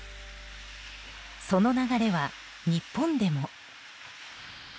その流れは、日本でも。